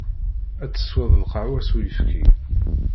Ad tesweḍ lqahwa s uyefki.